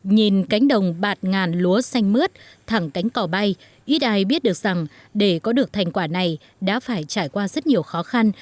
nhìn cánh đồng bạt ngàn lúa xanh mướt thẳng cánh cỏ bay ít ai biết được rằng để có được thành quả này đã phải trải qua rất nhiều khó khăn